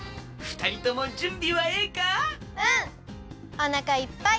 おなかいっぱい！